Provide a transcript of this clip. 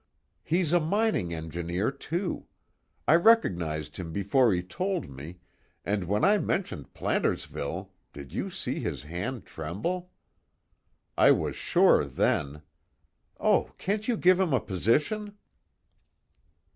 He's a mining engineer, too. I recognized him before he told me, and when I mentioned Plantersville, did you see his hand tremble? I was sure then. Oh, can't you give him a position?"